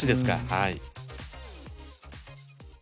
はい。